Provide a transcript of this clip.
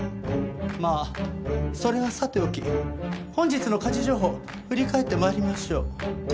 まあそれはさておき本日の家事情報振り返って参りましょう。